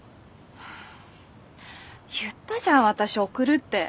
言ったじゃん私送るって。